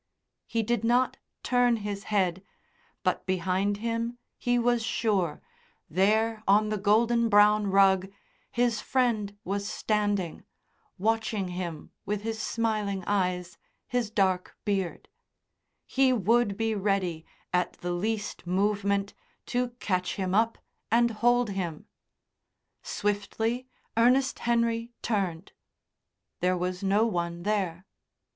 He did not turn his head, but behind him he was sure, there on the golden brown rug, his friend was standing, watching him with his smiling eyes, his dark beard; he would be ready, at the least movement, to catch him up and hold him. Swiftly, Ernest Henry turned. There was no one there.